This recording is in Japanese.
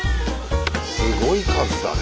すごい数だね。